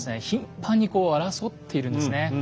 頻繁にこう争っているんですね。